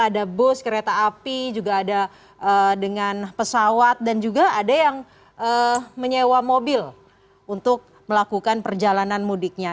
ada bus kereta api juga ada dengan pesawat dan juga ada yang menyewa mobil untuk melakukan perjalanan mudiknya